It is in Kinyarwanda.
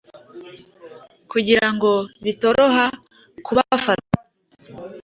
kugira ngo bitoroha kubafata.